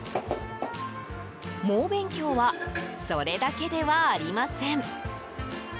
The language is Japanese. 猛勉強はそれだけではありません。